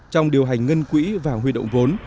trong điều hành ngân quỹ và huy động vốn